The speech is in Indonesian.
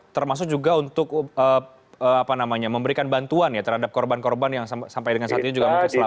termasuk juga untuk memberikan bantuan ya terhadap korban korban yang sampai dengan saat ini juga mungkin selamat